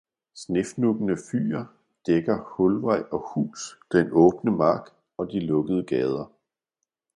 snefnuggene fyger, dækker hulvej og hus, den åbne mark og de lukkede gader.